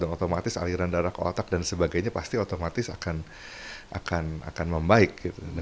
dan otomatis aliran darah ke otak dan sebagainya pasti otomatis akan membaik